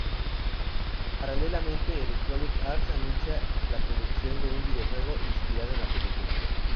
Paralelamente, Electronic Arts anuncia la producción de un videojuego inspirado en la película.